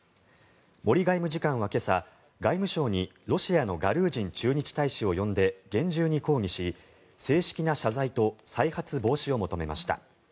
森外務次官は今朝、外務省にロシアのガルージン駐日大使を呼んで厳重に抗議し正式な謝罪と再発防止を求めました。